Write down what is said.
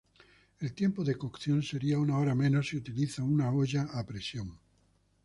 El tiempo de cocción sería una hora menos si utiliza una olla a presión.